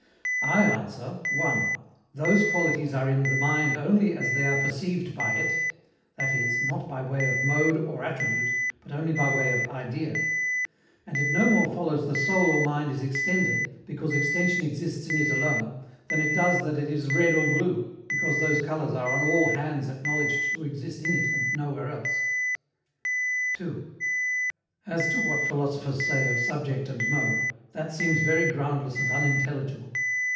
I ANSWER, (1) Those qualities are in the mind ONLY AS THEY ARE PERCEIVED BY IT that is, not by way of MODE or ATTRIBUTE, but only by way of IDEA; and it no more follows the soul or mind is extended, because extension exists in it alone, than it does that it is red or blue, because those colours are ON ALL HANDS acknowledged to exist in it, and nowhere else. (2) As to what philosophers say of subject and mode, that seems very groundless and unintelligible.